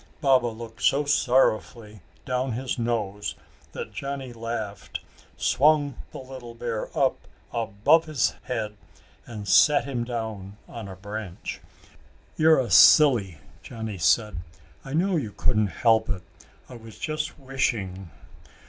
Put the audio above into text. Baba looked so sorrowfully down his nose that Johnny laughed, swung the little bear up above his head and sat him down on a branch. "You're a silly," Johnny said. "I know you couldn't help it. I was just wishing."